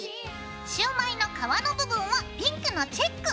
シュウマイの皮の部分はピンクのチェック！